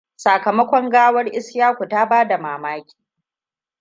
Sakamakon gawar Ishaku ta bada mamaki.